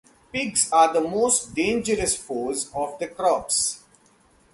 Pigs are the most dangerous foes of the crops.